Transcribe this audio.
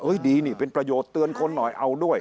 ดีนี่เป็นประโยชน์เตือนคนหน่อยเอาด้วย